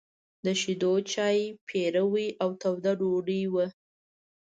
د شيدو چای، پيروی او توده ډوډۍ وه.